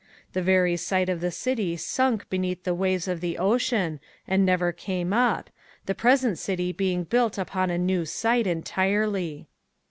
The very site of the city sunk beneath the waves of the ocean and never came up, the present city being built upon a new site entirely.